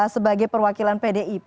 sebagai perwakilan pdip